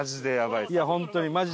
いや本当に。